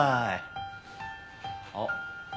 あっ。